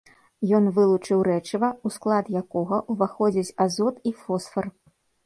Ён вылучыў рэчыва, у склад якога ўваходзяць азот і фосфар.